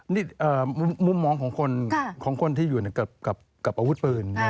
นี่มุมมองของคนที่อยู่กับอาวุธปืน